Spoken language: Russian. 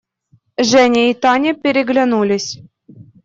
Женя и Таня переглянулись.